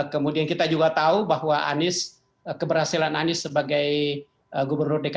kemudian kita juga tahu bahwa anies keberhasilan anies sebagai gubernur dki jakarta